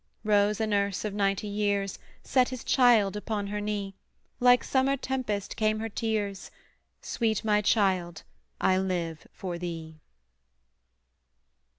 Rose a nurse of ninety years, Set his child upon her knee Like summer tempest came her tears 'Sweet my child, I live for thee.'